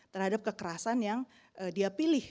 terhadap kekerasan yang dia pilih